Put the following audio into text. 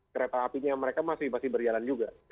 kereta apinya mereka masih berjalan juga